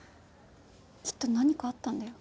きっと何かあったんだよ